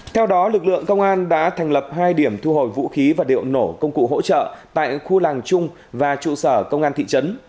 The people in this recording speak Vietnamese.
theo đó lực lượng công an đã thành lập hai điểm thu hồi vũ khí và liệu nổ công cụ hỗ trợ tại khu làng chung và trụ sở công an thị trấn